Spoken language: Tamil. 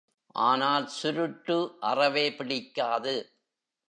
ஆனால், சுருட்டு அறவே பிடிக்காது.